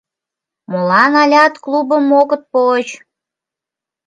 — Молан алят клубым огыт поч?